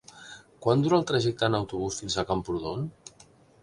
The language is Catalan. Quant dura el trajecte en autobús fins a Camprodon?